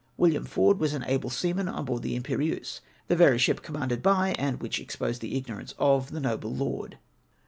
William Ford was an able seaman on board the ImperieusG, the very ship commanded by, and which exposed the ignorance of, the noble lord.